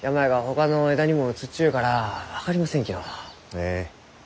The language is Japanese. ええ。